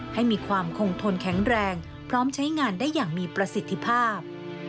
ให้มีความคงทนแข็งแรงพร้อมใช้งานได้อย่างมีประสิทธิภาพ